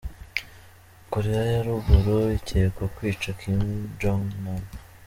Koreya ya ruguru ikekwa kwica Kim Jong-Nam.